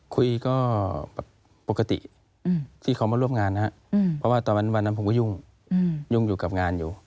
คุยก็ปกติที่เขามาร่วมงานนะครับเพราะว่าตอนนั้นผมก็ยุ่งยุ่งอยู่กับงานอยู่